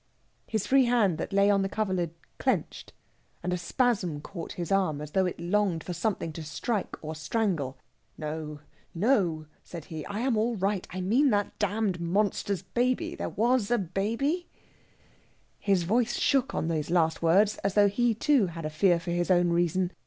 His free hand that lay on the coverlid clenched, and a spasm caught his arm, as though it longed for something to strike or strangle. "No, no!" said he; "I am all right. I mean that damned monster's baby. There was a baby?" His voice shook on these last words as though he, too, had a fear for his own reason.